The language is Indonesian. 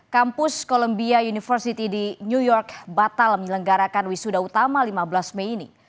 kampus columbia university di new york batal menyelenggarakan wisuda utama lima belas mei ini